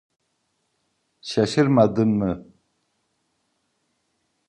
Şaşırmadın mı?